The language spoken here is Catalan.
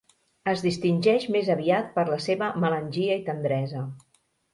Es distingeix més aviat per la seva melangia i tendresa.